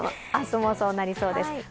明日もそうなりそうです。